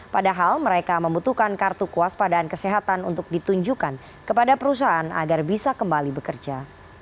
padahal mereka membutuhkan kartu kuas padaan kesehatan untuk ditunjukkan kepada perusahaan agar bisa kembali bekerja